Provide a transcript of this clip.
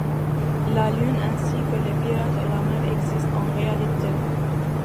La lune, ainsi que les pirates et la mer existent en réalité.